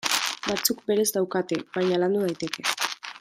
Batzuk berez daukate, baina landu daiteke.